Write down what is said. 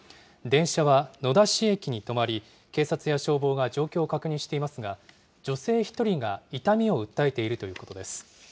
電車は野田市駅に止まり、警察や消防が状況を確認していますが、女性１人が痛みを訴えているということです。